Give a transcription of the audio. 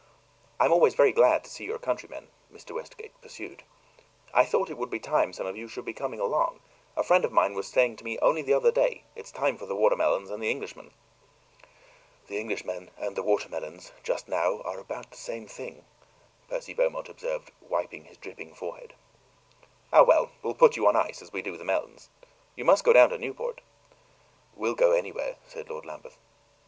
"I am always very glad to see your countrymen," Mr. Westgate pursued. "I thought it would be time some of you should be coming along. A friend of mine was saying to me only a day or two ago, 'It's time for the watermelons and the Englishmen." "The Englishmen and the watermelons just now are about the same thing," Percy Beaumont observed, wiping his dripping forehead. "Ah, well, we'll put you on ice, as we do the melons. You must go down to Newport." "We'll go anywhere," said Lord Lambeth.